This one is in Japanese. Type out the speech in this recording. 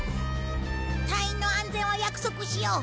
隊員の安全は約束しよう。